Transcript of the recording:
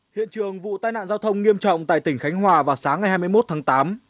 hiện trường vụ tai nạn giao thông nghiêm trọng tại tỉnh khánh hòa vào sáng ngày hai mươi một tháng tám